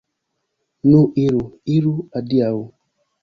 Nu iru, iru, adiaŭ!